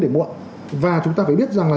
để muộn và chúng ta phải biết rằng là